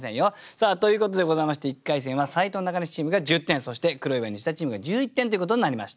さあということでございまして１回戦は斉藤中西チームが１０点そして黒岩ニシダチームが１１点ということになりました。